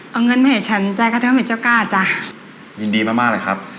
เอาเงินมาให้ฉันจ้ะก็ทำให้เจ้ากล้าจ้ะยินดีมากมากเลยครับ